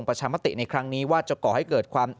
ประชามติในครั้งนี้ว่าจะก่อให้เกิดความ